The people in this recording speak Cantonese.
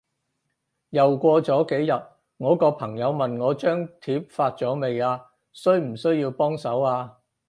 又過咗幾日，我個朋友問我張貼發咗未啊？需唔需要幫手啊？